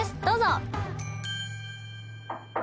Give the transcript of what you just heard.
どうぞ。